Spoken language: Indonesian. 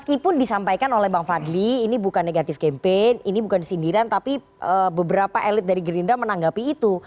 meskipun disampaikan oleh bang fadli ini bukan negatif campaign ini bukan sindiran tapi beberapa elit dari gerindra menanggapi itu